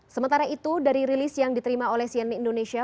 sementara itu dari rilis yang diterima oleh cnn indonesia